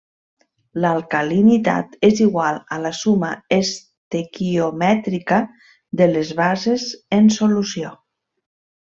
L'alcalinitat és igual a la suma estequiomètrica de les bases en solució.